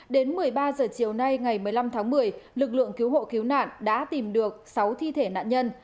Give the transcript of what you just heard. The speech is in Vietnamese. đến một mươi ba h chiều nay ngày một mươi năm tháng một mươi lực lượng cứu hộ cứu nạn đã tìm được sáu thi thể nạn nhân